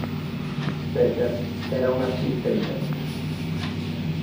Peter era un artista immenso.